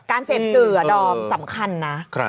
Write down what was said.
การเสพสื่อดอมสำคัญนะ